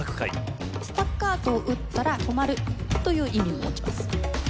スタッカートを打ったら止まるという意味を持ちます。